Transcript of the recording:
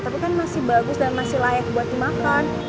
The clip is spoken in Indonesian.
tapi kan masih bagus dan masih layak buat dimakan